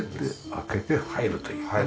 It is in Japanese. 開けて入るというね。